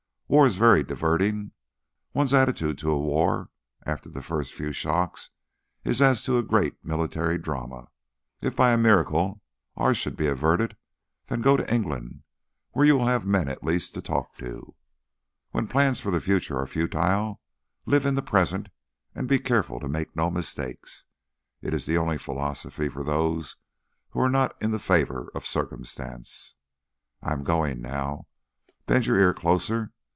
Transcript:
War is very diverting. One's attitude to a war after the first few shocks is as to a great military drama. If by a miracle ours should be averted, then go to England, where you will have men at least to talk to. When plans for the future are futile, live in the present and be careful to make no mistake. It is the only philosophy for those who are not in the favour of Circumstance. I am going now. Bend your ear closer.